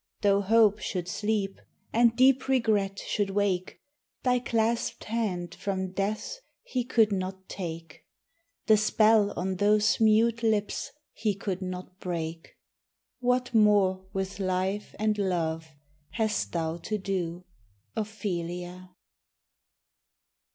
Though hope should sleep, and deep regret should wake, Thy clasped hand from Death's he could not take; The spell on those mute lips he could not break. What more with life and love hast thou to do, Ophelia?